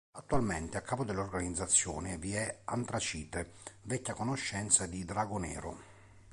Attualmente a capo dell'organizzazione vi è Antracite, vecchia conoscenza di Dragonero.